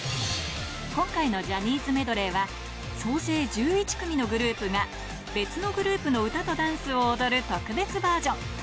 今回のジャニーズメドレーは、総勢１１組のグループが別のグループの歌とダンスを踊る特別バージョン。